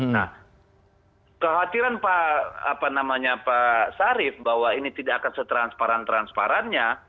nah kekhawatiran pak apa namanya pak syarif bahwa ini tidak akan setransparan transparannya